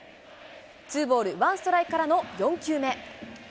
ツーボールワンストライクからの４球目。